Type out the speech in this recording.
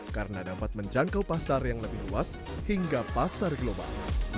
karena dapat menjangkau pasar yang lebih luas hingga pasar global